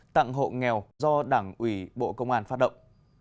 tặng hộ nghèo do đảng ủy bộ công an phát động